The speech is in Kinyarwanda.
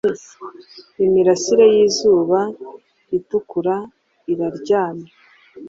Imirasire yizuba itukura iraryamye